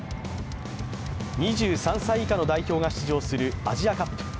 ２３歳以下の代表が出場するアジアカップ。